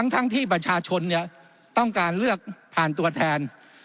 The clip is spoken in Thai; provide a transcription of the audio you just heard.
ทั้งที่ประชาชนต้องการเลือกผ่านตัวแทน